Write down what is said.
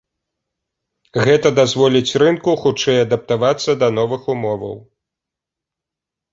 Гэта дазволіць рынку хутчэй адаптавацца да новых умоваў.